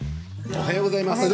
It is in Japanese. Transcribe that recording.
おはようございます。